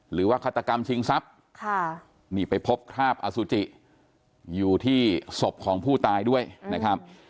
ฆาตกรรมชิงทรัพย์นี่ไปพบคราบอสุจิอยู่ที่ศพของผู้ตายด้วยนะครับ